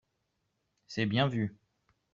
C’est bien vu